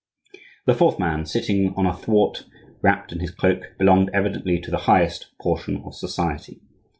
The fourth man, sitting on a thwart wrapped in his cloak, belonged, evidently, to the highest portion of society.